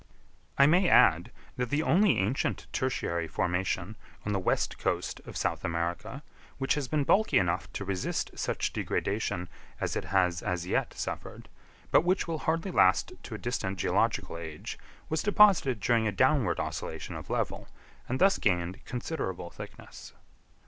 I may add, that the only ancient tertiary formation on the west coast of South America, which has been bulky enough to resist such degradation as it has as yet suffered, but which will hardly last to a distant geological age, was deposited during a downward oscillation of level, and thus gained considerable thickness.